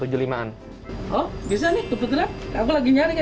oh bisa nih tepat tepat aku lagi nyari